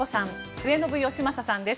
末延吉正さんです。